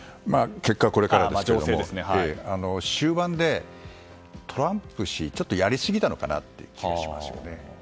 結果はこれからですが終盤でトランプ氏はちょっとやりすぎたのかなという気がしますよね。